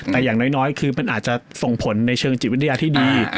แต่อย่างน้อยคือมันอาจจะส่งผลในเชิงจิตวิทยาที่ดี